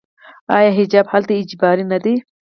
آیا حجاب هلته اجباري نه دی؟